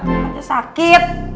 gak ada sakit